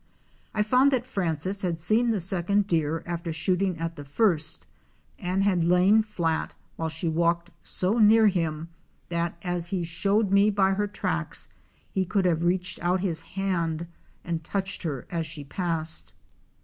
I found that Francis had seen the second deer after shooting at the first, and had lain flat while she walked so near him, that, " as he showed me by her tracks, he could have reached out his hand and touched her as she passed.